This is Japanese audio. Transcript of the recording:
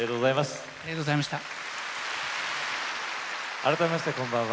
改めましてこんばんは。